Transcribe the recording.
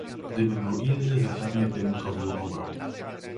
"Gdyby był inny zapewnie bym go był obrał."